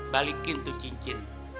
balikin tuh cincin